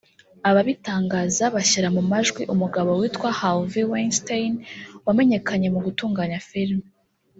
Ababitangaza bashyira mu majwi umugabo witwa Harvey Weinstein wamenyekanye mu gutunganya filimi